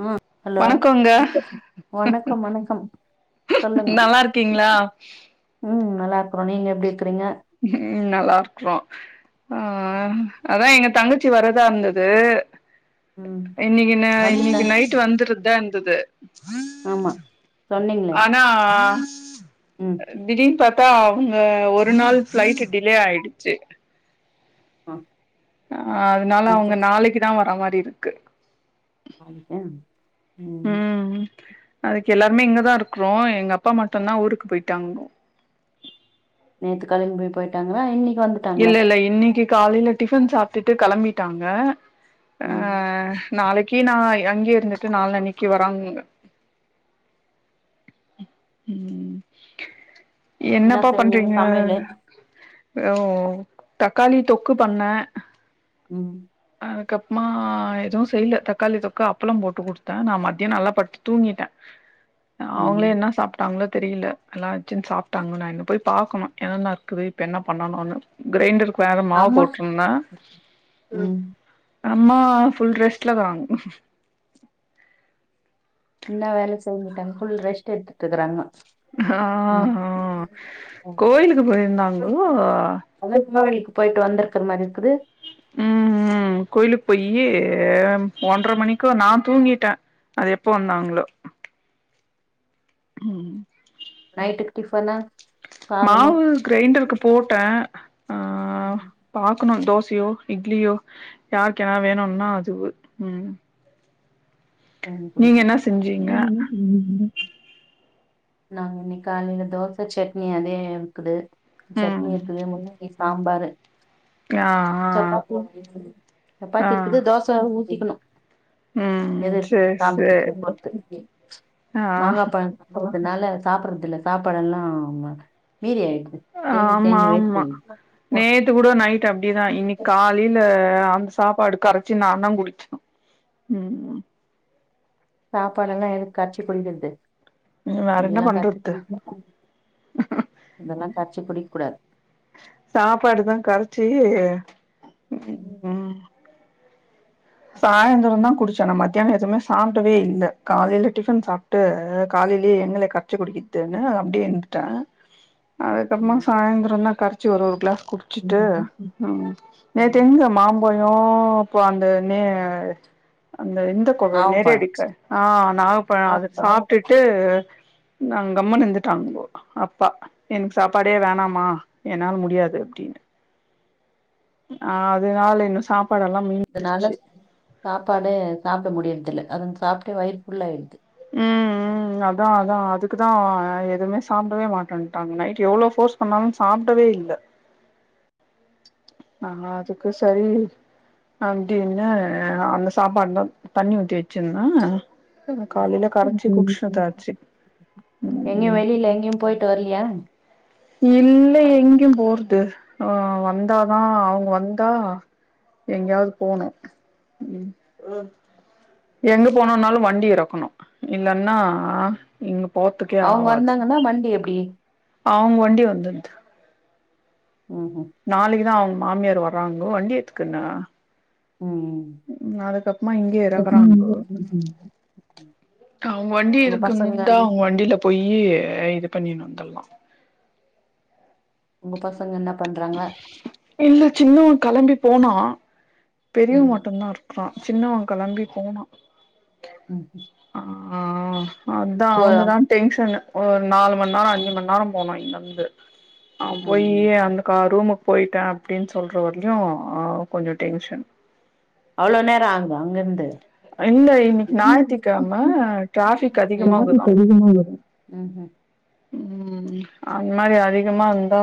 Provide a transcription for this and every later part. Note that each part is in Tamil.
ம் ஹலோ வணக்கங்க வணக்கம் வணக்கம் நல்லாருக்கீங்களா உம் நல்லா இருக்றோ நீங்க எப்டி இருக்கிறீங்க உம் நல்லா இருக்கறோ அஹ் அதான் எங்க தங்கச்சி வர்றதா இருந்தது ம் இன்னைக்கு னா வந்துட்டே இன்னைக்கு நைட் வந்துருதுதா இருந்தது ஆமா சொன்னீங்களே ஆனா ம் திடீர்னு அவங்க ஒரு நாள் ஃப்ளைட்டு டிலே ஆயிடுச்சு ஹம் ஆஹ் அதனால அவங்க நாளைக்கு தா வர மாரி இருக்கு [unintelligible] உம் ம் அதுக்கு எல்லாருமே இங்கதா இருக்கிறோ எங்க அப்பா மட்டுந்தா ஊருக்கு போயிட்டாங்க கெளம்பி போயிட்டாங்களா இன்னி இல்ல இல்ல இன்னைக்கு காலையில டிஃபன் சாப் விட்டுட்டு கெளம்பிட்டாங்க ம் ஆஹ் நாளைக்கு நா அங்கய இருந்துட்டு நாலுனைக்கு வராங்க உம் என்ன என்னப்பா செஞ்சீங்க பண்றீங்க சமையலு தக்காளி தொக்கு பண்ண ம் அதுக்கப்புறமா எதுவு செய்ல தக்காளி தொக்க அப்பளம் போட்டு குடுத்த நா மதியம் நல்லா படுத்து தூங்கிட்ட ம் அவங்களே என்ன சாப்பிட்டாங்களோ தெரில எல்லா சாப்டாங்களா போய் பாக்கணு என்னென்ன இருக்குது இப்ப என்ன பண்ணணு கிரைண்டர் வேற மாவு அம்மா போட்டிருந்த ம் அம்மா ஃபுல் ரெஸ்ட்ல தா இன்ன வேல செஞ்சட்டாங்க ஃபுல் ரெஸ்ட் எடுத்துட்டு இருக்கறாங்க அம்மா ஆஹ்ஹ கோயிலுக்கு போயிருந்தாங்கோ அதா கோவிலுக்கு போயிட்டு வந்திருக்கற மாரி இருக்குது உஹம் கோயிலுக்கு போயி ஒன்றர மணிக்கோ நா தூங்கிட்டே அது எப்போ வந்தாங்களோ ஹம் நைட்டுக்கு டிஃபன்னு மாவு கிரைண்டருக்கு போட்ட ஆஹ ம் பாக்கணு தோச சியோ இட்லியோ யாருக்குன வேணும்னா அது உம் செஞ்சு குடுக்கணு உம் உம் நாங்க இன்னிக்கு காலையில தோச சட்னி அதே இக்குது சட்னி ம் இக்குது மு சாம்பாரு ஆ ஆ சப்பாத்தி இரு ஆ சப்பாத்தி இக்குது தோச ஊ ஊத்திகணு ம் எது சேர் சேர் சாப்டது ஆ மாங்கா பழமா அதனால சாப்பிடடுறதுல சாப்பாட எல்லா மீதி ஆமா ஆமா நேத்து கூட நைட் அப்டிதா இன்னிக்கு காலைல அந்த சாப்பாடு கரச்சு நா தா குடிச்ச உம் சாப்பாடு எல்லா எதுக்கு கரச்சு குடிக்கிறருது வேற என்ன அப்டில்லா கரச்சு பண்றது குடிக்கமாட்ட அதெல்லா கா்சு குடிக் கூடாது சாப்பாடுதா கரச்சு ம் உம் சாயந்தரதா குடிச்சே நா மத்தியானம் எதுவுமே சாப்பிடவே இல்ல காலையில டிஃபன் சாப்பிட்டு காலையிலயே எங்கள கரச்சு குடிக்கதுன்னு அப்டியே இருந்துட்டே அதுக்கப்புறமா சாயந்தரம் தா கரச்சு ஒரு ஒரு கிளாஸ் குடிச்சிட்டு ம் ம் நேற்று எங்க மாம்ப [unintelligible] னே அந்த இந்த [unintelligible] ஆ நாகப்பழொ அத ஆவப்பழம் சாப்ட்டுட்டு நாங்கம்மனு இருந்துட்டாங்கோ அப்பா எனக்கு சாப்பாடே வேணாமா என்னால் முடியாது அப்டின்னு ஆ அதுனால இன்னு சாப் அதனால சாப்பாடு சாப்பட முடியனு இதுல அதன் சாப்ட்டு வயிறு ஃபுல்லாயிடுது ம் ம் அதா அதா அதுக்குதா எதுவுமே சாப்படவே மாட்டன்ட்டாங் நைட் எவ்ளோ ஃபோர்ஸ் பண்ணாலு சாப்டவே இல்ல ஆ அதுக்கு சரி அப்டின்னு அந்த சாப்பாட்ல தண்ணி ஊத்தி வெச்சிருந்த [inaudible] எங்கயு ம் வெளில எங்கயு போயிட்டு வர்லையா இல்ல எங்கயு போறது அ வந்தாதா அவங் வந்தா எங்கயாவது போணு எங்க போனுன்னாலு வண்டி இருக்கணு இல்லன்னா இங்க போறதுக்கே அவுங்க வந்தாங்கன்னா வண்டி எப்டி அவுங்க வண்டி வந்துருது ம் ம் நாளிக்குதா அவுங் மாமியார் வர்றாங்கோ வண்டி எத்துக்குண்ணு ம் அதுக்கப்பமா இங்கயே இரக்கறாங்கோ அவுங்க வண்டி உங்க பசங்க இருக்குந்தா அவுங்க வண்டீல போயி இது பண்ணினு வந்தர்லா உங்க ப இல்ல சின்னவ கெளம்பிப் போனா பெரியவ ம் மட்டுந்தா இரு அ சின்னவ களம்பி போனா ம் ஆ அதா போ அவங்கதா டென்ஷனு ஒரு நாலு மண் நேரொ அஞ்சு மண் நேரம் போணு இங்கர்ந்து அங் ம் போயி ம் அந்த கா ரூமு போய்ட்ட அப்டின் சொல்ற வர்லியு கொஞ்சொ டென்ஷன் அவ்ளோ நேரொ ஆக்தா அங்கேர்ந்து இல்ல இன்னக்கி ஞாய்த்திக்கெழம டிராஃபிக் அதிகமா வரு ம் ம் ம் அந் மாரி அதிகமார்ந்தா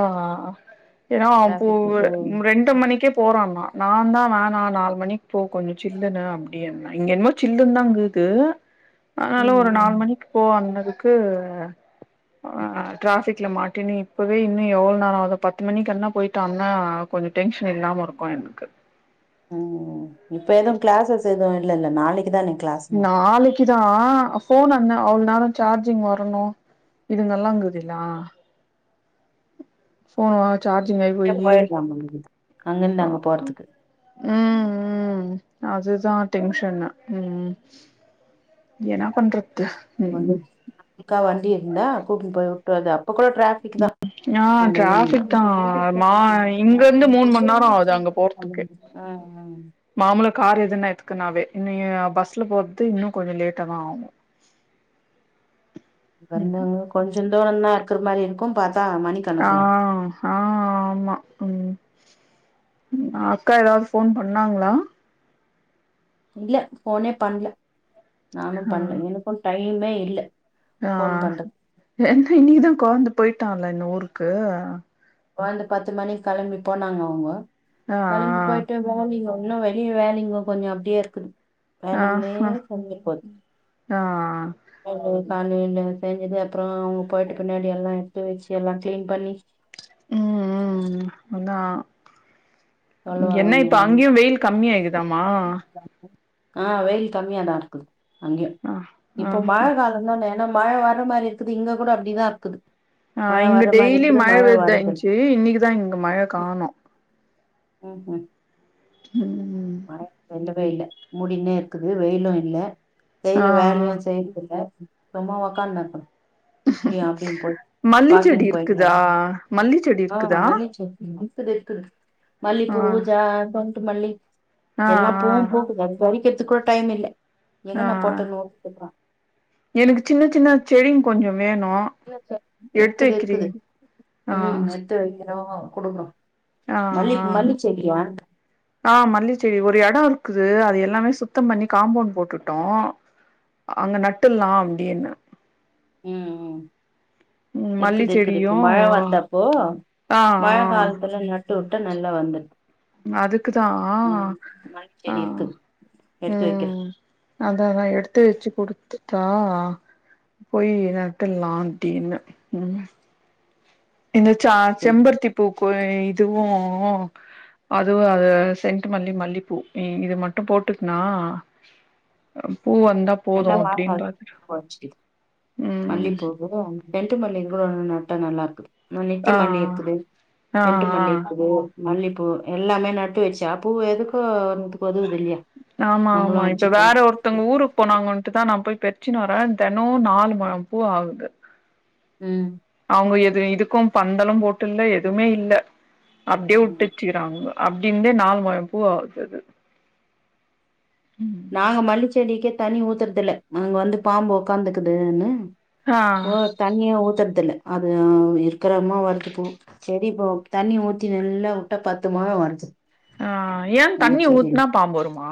ஏன்னா டிராஃபிக்ல போ [unintelligible] ரெண்டு மணிக்கே போறான்னா நாந்தா வேணா நால் மணிக் போ கொஞ்சொ சில்லுனு அப்டீன் இங்க என்மோ சில்லுன்தா [unintelligible] அனால ம் ஒரு ம் நால் மணிக்கு போ [unintelligible] க்கு ஆ ட்ராஃபிக்ல மாட்டினு இப்பவே இன்னு எவொள் நேரொ ஆதோ பத்து மணிக்கெல்லா போய்டான்னா கொஞ்சொ டென்ஷன் இல்லாம இருக்கு என்க்கு உம் இப்ப எதும் கிளாஸஸ் எதும் இல்ல இல்ல நாளைக்கு தானே கிளாஸ்மா நாளைக் [unintelligible] போன் என்ன அவ்ள நேரம் சார்ஜ் [unintelligible] வரணு இதுங்கெல்லா [unintelligible] சோ வாட் [unintelligible] அங்கிருந்து ஆ அங்க போறதுக்கு ம் ம் அதுதான் டென்ஷன்னு ம் என்ன பண்றது ம் [unintelligible] அக்கா வண்டி இருந்தா கூப்ட்டு போய் விட்டு [unintelligible] டிராபிக் தா உம் ஆ அந்த டிராபிக் தான் இது மா இங்க இருந்து மூணு மணி நேரம் ஆவுது அங்க போறதுக்கே ஆ ஆ மாமுலா கார் எதுனா எடுத்துகுன்னாவே நீங்க பஸ்ல போறது இன்னும் கொஞ்சம் லேட்டாதா ஆகும் வந்தாங்க கொஞ்சல் [unintelligible] இருக்ற மாரி இருக்கும் பாத் ஆஹ் ஆ ஆமா உம் அக்கா ஏதாவது போன் பண்ணாங்ளா இல்ல ஃபோனே பண்ல நானு பண்ல எனக்கு டை டைமே இல்ல ஃபோன் ஆஆ பண்றது என்ன இன்னிக்கிதா கொழந்த போயிட்டா ங்ல இன்னு ஊருக்கு கொழந்தை பத்து மணிக்கு களம்பி போனாங்க அவங்க ஆ களம்பி போயிட்டு மார்னிங் அவங் இன்னு வெளிய வேலைங்க கொஞ்சோ அப்டியே இருக்குது வேலைங்களே தள்ளிப்போது ஆஆ ங்களுக் காலைல செஞ்சது அப்பறோ அவங்க போயிட்டு பின்னாடி எல்லா எடுத்து வச்சு எல்லா கிளீன் பண்ணி ம் ம் அதா என்ன சொல்லுவாங்க இப்ப மேம் அங்கையு வெயில் கம்மியாயிகுதாமா ஆ வெயில் கம்மியாதா இருக்குது அங்கியு ஆ ஆ இப்போ மழை காலந்தான ஏன்னா மழை வர்ற மாரி இருக்குது இங்க கூட அப்டிதா இருக்குது, ஆ மழ இங்க வர்ற மாரி டெய்லி இருக்குது மழை மழ வரதில்ல விழுந்துதாருந்துச்சி இன்னைக்கிதா இங்க மழை காணு ம்ஹூம் ம் மழ [unintelligible] [unintelligible] மூடின்னே இருக்குது வெயிலு இல்ல ஆ செய்யுற ஆ வேலயு செய்யுறது இல்ல இப்ப தா உக்காந்தே இப்ப தா இப்டியு அப்டியு போய் மல்லி செடி வாக்கிங் போய் இருக்குதா மல்லி செடி [inaudible] ஆஹ் இருக்குதா [unintelligible] இக்குது இக்குது மல்லி ஆ பூ ஜாத ட்டு மல்லி ஆ எல்லா ஆ பூவு பூக்குது அது பறிக்க அதுக்கூட டைம் இல்ல ஆ எங்கன்னா போட்ட நோட்பன்றா எனக்கு சின்ன சின்ன செடிங்க கொஞ்சோ வேணு எடுத்து இருக்குது இருக்குது வைக்கிறீங் உம் எடுத்து வக்கி ஆமா குடுக்கறோ ஆஹ் ஆஹ் ஆஹ் மல்லி செடி ஒரு எடம் இருக் குது அது எல்லாமே சுத்தம் பண்ணி காம்பவுண்ட் போட்டுட்டோ அங்க நட்டுல்லா அப்டின்னு உம் உம் ம் மல்லி இருக்குது இருக்குது இப்போ செடியு மழ வந்தப்போ ஆ மழ ஆ காலத்துல நட்டு டா நல்லா வந்துட் அதுக்கு தா மல்லி செடி ஆஹ் இருக்குது எடுத்து உம் வைக்கிறே அததா எடுத் போய் நட்டுல்லா அப்டின்னு உம் இந்த சா எடுத்து வைக்கிறே செம்பருத்தி பூக்கு [inaudible] இதுவு அதுவு அது சென்டு மல்லி மல்லிப்பூ இது மட்டு போட்டுக்னா நல்லா வாசம் [inaudible] மல்லி ம் பூவு சென்டு மல்லி கூட [inaudible] [inaudible] நல்லா இருக்குது ந நித்தி ஆ மல்லி இருக்குது ஆ சென்ட்டு மல்லி இருக்கு மல்லிப்பூ எல்லாமே நட்டு வச்சா பூவு எதுக்கோ ஒன்னுதுக்கு ஒதவு ஆமா ஆமா இப்ப வேற ஒருத்தங்க ஊருக்கு போனாங்கன் ட்டு தா நா போய் பெர்ச்சினு வரே தெனொ நாலு மொழ பூ ஆவுது உம் அவுங்க எது இதுக்கு பந்தலும் போட்டு இல்ல எதுமே இல்ல அப்டியே வுட்டுச்சுக்கிறாங்க அப்டிந்தே நாலு மொழம் பூ ஆவுது அது நாங்க மல்லிச்செடிக்கே தண்ணி ஊத்துறதில்ல அங்க வந்து பாம்பு ஒக்காந்துக்குதுன்னு ஆ போ தண்ணியா ஊத்தற தில்ல அது அஹ இருக்கு இருக்கிரம்மா வரது பூ திபோ தண்ணி ஊத்தின்ணு நல்லா வுட்டா பத்து மொழம் வருது ஆஹ் ஏ எங்க தண்ணி செடில ஊத்துனா பாம்பு வருமா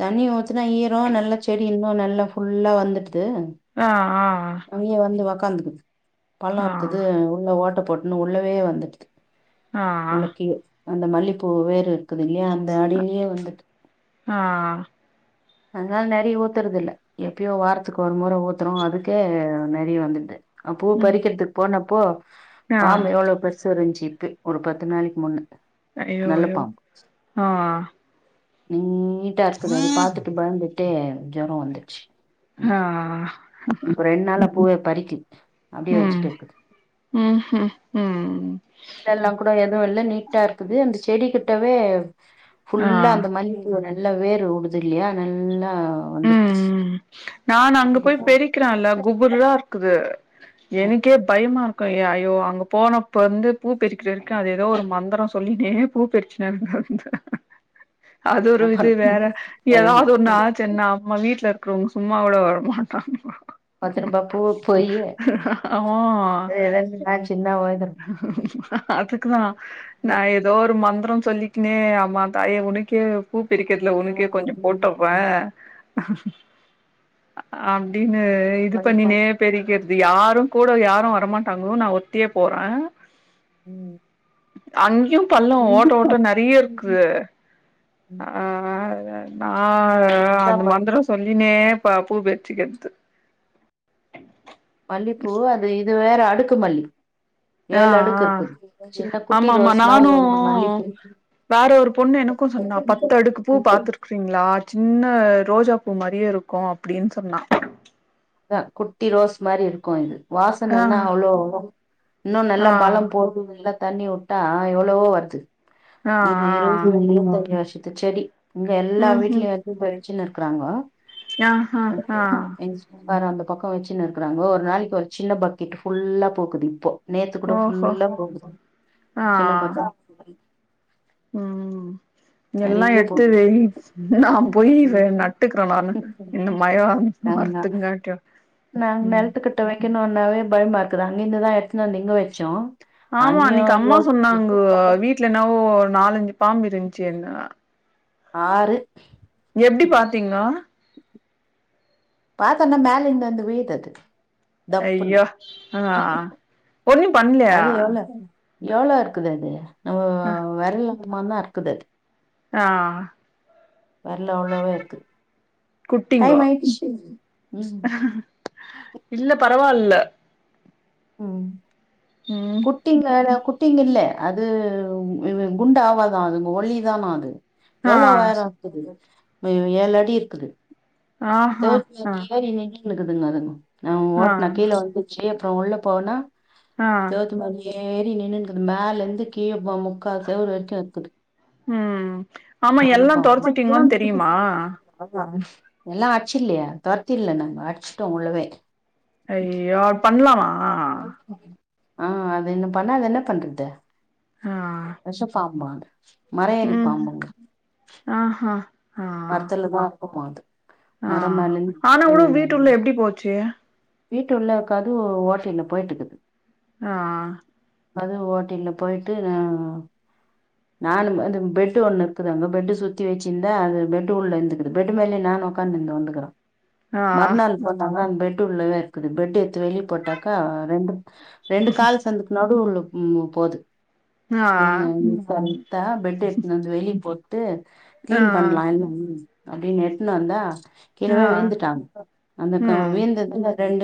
தண்ணி ஊத்துனா ஈரம் நல்லா செடி இன்னு நல்லா ஃபுல்லா வந்துட்டு ஆ ஆ து துனிய வந்து உக்காந்துக்குது ஆ பழம் இக்குது உள்ள ஓட்ட போட் போட்டுன்னு உள்ளவே வந்துடுது ஆ உள்ளக்கயே அந்த மல்லிைப்பூ வேறு இருக்குதில்லையா அந்த அடியிலயே வந்துட்டு ஆஹ் அனால நெறைய ஊத்துறதில்ல எப்யோ வாரத்துக்கு ஒரு மெற ஊத்துறோம் அதுக்கே நெறைய வந்துட்டு அ பூ ம் பறிக்கிறதுக்கு போனப் போ ஆ பாம்பு எவ்ளோ பெருசு இருஞ்சு இக்கு ஒரு பத்து நாளிக்கு முன்ன ஐயோ நல்ல ஐயோ பாம்பு ஆஹ் நீட்டா இருக்குது அது பாத்துட்டு பயந்துட்டு ஜொரம் வந்துட்ச்சு ஆஹ் இப்ப ரெண்டு நாளா பூவே பறிக அப்படியே ம் வெச்சுட்ட ம் ம் ம் எல்லா கூட எதுவு இல்ல நீட்டா இருக்குது அந்த செடி செடி கிட்டவே ஃபுல்லா ஆ அந்த மல்லி பூவ எல்லா வேர் உடுது இல்லியா நல்லா ஆஹ் வந்துருச்சு பெரிக்கிறான்லா குபரா இருக்கு கு எனக்கே பயமா ஐயோ அங்க போனப்ப வந்து பூ பெறிக்கிறது இருக்கு அது ஏதோ ஒரு மந்திரம் சொல்லினே பூ பெறிச்சினு இருந்த அது ஒரு இது வேற எதாவது பயந்தோ ஒன்னு என் அம்மா வீ்ட்ல இரு ங்க சும்மாவோடோ வரமாட்டாங்கோ பத்துருப்பா பூ போயி [unintelligible] அவ நா சின்ன [unintelligible] அதுக்குதா நா ஏதோ ஒரு மங் சொல்லிக்கனே அம்மா தாயே உனக்கே கூப் பிரிக்கிறதுல உனக்கே கொஞ்ச போட்டர்ற அப்டி னு இது மல்லிப்பூ பண்ணினே பிரிக்கறது இது யாருங்கூட யாரு வரமாட்டாங்கோ நா ஒருத்தியே போறே உம் அங்யும் பல்லம் ஓட்ட ஓட்ட நறைய இருக்குது உம் அதனா ஆஹ் அந்த பாரு மந்திர சொல்லினே [unintelligible] மல்லிப்பூ அது இது வேற அடுக்குமல்லி ஆஹ் ஆஹ் குட்டி ஆமா ஆமா ரோஸ் மாரி நானு வந்து மல்லிப்பூ வேற ஒரு பொண்ணு எனக்கு சொன்னா பத்து அடுக்கு பூ பாத்துருக்றீங்களா சின்ன ரோஜா பூ மாரியே இருக்கு அப்டின்னு சொன்னா இதா குட்டி ரோஸ் மாரி இருக்கு இது வாசனை ஆ என்ன அவ்வளோ இன்னு நல்லா ஆ பலம் போடுது ல்ல தண்ணி வுட்டா எவ்வளவோ வருது ஆ ஆ இது இருந்துமே [unintelligible] செடி இங்க எல்லா வீட்லயு எடுத்து போய் சின்னு இருக்குராங்கோ ஆஹ் ஹா ஹா வேற அந்த பக்க வச்சுன்னு இருக்கறாங்கோ ஒரு நாளைக்கு ஒரு சின்ன பக்கெட்டு ஃபுல்லா பூக்குது இப்போ நேத்து கூட ஓஹோ ஃபுல்லா பூக்குது சின்ன பக் உம் எல்லா நெறைய எடுத்து போகுது வெய் நா போயி நட்டுக்கிறநானு இந்த மகிழ மரத்துங்காட்டியு நா நெலத்துக்கட்டுவே வெக்கணும்ன்னாவே பயமா இருக்குது அங்கிருந்துதா எடுத்துனு வந்து இங்க வச்சோ ஆமா அங்கயு அன்னைக்கு அம்மா சொன்னாங்கோ வீட்ல என்னாவோ ஒரு நாலஞ்சு பாம்பு இருந்துச்சுன்னு ஆறு எப்டி பாத்தீங்கோ பாத்துன்னா மேல இருந்து வந்து விழுது அது தப்புன்னு ஐயோ ஆஹ் ஒண்ணும் பண்லையா அது எவ்ளோ எவ்ளோ இருக்குது அது ஒ வரல சும்மா தான் இருக்குது ஆஹ் வரல உள்ளவே இருக்குது டைம் குட்டிங்கோ ஆயிருச்சு பரவாயில்ல ம் குட்டிங்களா குட் குட்டிங்க இல்ல அது குண்டாவாதான் அதுங்க ஒல்லிதானா அது ஆ எவளோ உயரம் இருக்குது ஏழு அடி இருக்குது ஆஹ் ஹா ஹா இருக்குதுங்க அதுங்க நான் ஓட்டுனேன் கீழ வந்துச்சு உள்ளே போனா ஆ செவுத்து மேல ஏறி நின்னுன்குது மேலிருந்து கீழப்பம் முக்கா செவுரு வெச்சா ம் ஆம்மா எல்லா தொடச்சிட்டீங்கன் தெரியுமா எல்லா அட்சில்லியே தொர்த்திரல்ல நாங்கோ அட்ச்சிட்டோ உள்ளோவே அய்யோ பண்ணலாமா [unintelligible] ஆ அது ன்ன பண்ணாத என்ன பண்றது ஆ வெஷ பாம்பா மரம் ஏறி ம் ஆஹா ஆ மர்த்துலதா இருக்குமா அது ஆ மரம் மேல ஆனா இருந்து உள் வீட்டுள்ள எப்டி போச்சி வீட்டுள்ளக்கது ஓட்டைல போய்ட்டுக்குது ஆஹ் அது ஓட்டைல பொய்ட்டு ந நானு அது பெட்டு் ஒண்ணு இர்க்குது அங்க பெட்டு் சுத்தி வெச்சிந்தா அது பெட்டு் உள்ள இந்துக்குது பெட்டு் மேலே நானு உக்கானுந்தந்துகுறோ ஆ மர்நாள் போனாங்க பெட் உள்ளவே இர்க்குது பெட்டு் எத்து வெளி போட்டாக்கா ரெண்டு ரெண்டு கால் சந்துக்குனடு உள்ளு ம் போது ஆ ம் பெட்டெத்து வந்து வெளிய போ ட்டு ஆ க்ளீன் பண்லா அப்டின்னு எட்னுவந்தா கீழவே ஆ விழுந்துட்டா அந்த க ம் வீந்த ரெண்டு